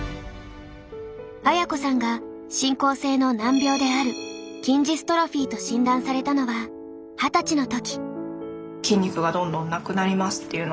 綾子さんが進行性の難病である筋ジストロフィーと診断されたのは二十歳の時。